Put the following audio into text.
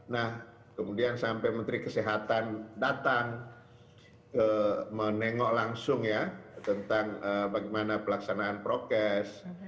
nah kemudian sampai menteri kesehatan datang menengok langsung ya tentang bagaimana pelaksanaan prokes